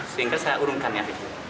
sehingga saya urunkannya